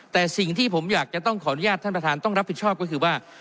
แต่สิ่งที่ผมอยากจะต้องขออนุญาตท่านประธานต้องรับผิดชอบก็คือว่า